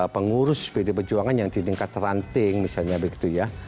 pengurus pd perjuangan yang di tingkat teranting misalnya begitu ya